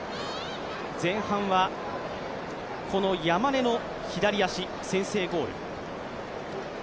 前半は山根の左足、先制ゴール。